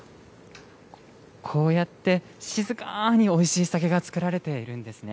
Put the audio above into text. こうやって静かにおいしい酒が造られているんですね。